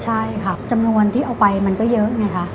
ใช่ค่ะจำนวนที่เอาไปมันก็เยอะไงคะ